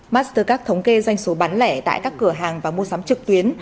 mastercard thống kê doanh số bán lẻ tại các cửa hàng và mua sắm trực tuyến